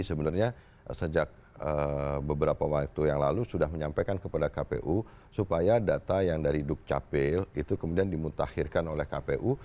sebenarnya sejak beberapa waktu yang lalu sudah menyampaikan kepada kpu supaya data yang dari dukcapil itu kemudian dimutakhirkan oleh kpu